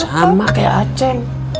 sama kayak aceh